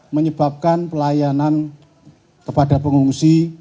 menyebabkan pelayanan kepada pengungsi